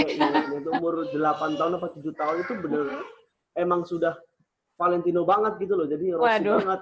umurnya itu umur delapan tahun atau tujuh tahun itu bener emang sudah valentino banget gitu loh jadi rosi banget